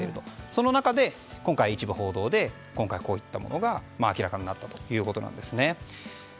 その中の一部報道で今回こういったものが明らかになったということです。